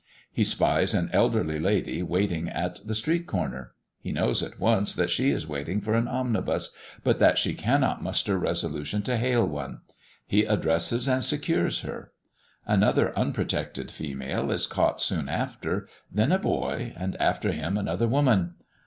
He spies an elderly lady waiting at the street corner; he knows at once that she is waiting for an omnibus, but that she cannot muster resolution to hail one. He addresses and secures her. Another unprotected female is caught soon after, then a boy, and after him another woman.